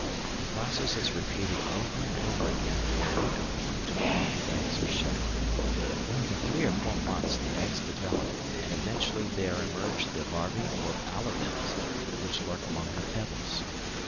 The process is repeated over and over again for a week or more till all the eggs are shed. For three to four months the eggs develop, and eventually there emerge the larvæ or alevins, which lurk among the pebbles.